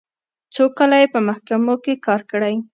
څو کاله یې په محکمو کې کار کړی.